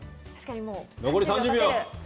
残り３０秒。